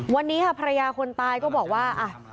วันนี้ค่ะภรรยาคนตายก็บอกว่า